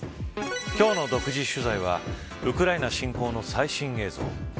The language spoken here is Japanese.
今日の独自取材はウクライナ侵攻の最新映像。